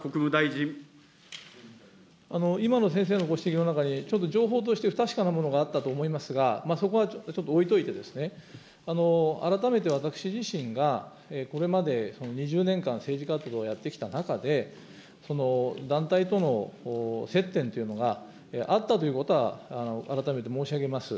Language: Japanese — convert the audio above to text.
今の先生のご指摘の中に、ちょっと情報として不確かなものがあったと思いますが、そこはちょっと置いといて、改めて私自身がこれまで２０年間、政治活動をやってきた中で、団体との接点っていうのがあったということは、改めて申し上げます。